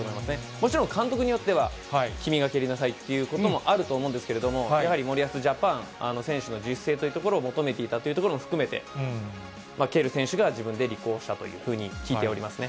もちろん、監督によっては、君が蹴りなさいということもあると思うんですけれども、森保ジャパン、選手の自主性を求めていたということもあると思うので、蹴る選手が自分で立候補したというふうに聞いておりますね。